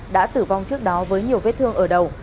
đã tử vong trước đó với nhiều vết thương ở đầu